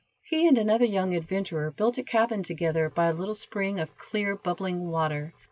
He and another young adventurer built a cabin together by a little spring of clear, bubbling water.